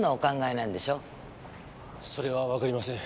それはわかりません。